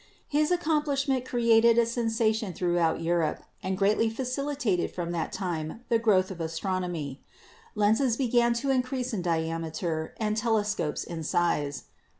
His accomplishment created a sensation throughout Europe and greatly facilitated from that time the growth of as tronomy. Lenses began to increase in diameter and telescopes in size.